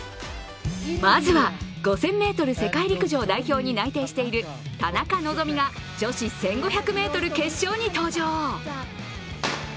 まずは５０００ｍ世界陸上代表に内定している田中希実が女子１５００ｍ決勝に登場。